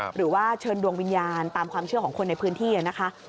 หรือว่าเชิญดวงวิญญาณตามความเชื่อของคนในพื้นที่นะคะ